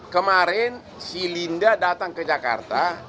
kemarin si linda datang ke jakarta